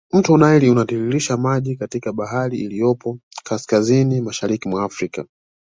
Mto nile unatiririsha maji katika bahari iliyopo kaskazini mashariki mwa afrika